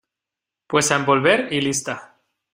pues a envolver y lista.